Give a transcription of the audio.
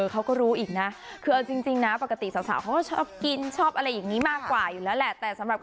เขาก็รู้อีกนะคือเอาจริงนะปกติสาวเขาก็ชอบกินชอบอะไรอย่างนี้มากกว่าอยู่แล้วแหละ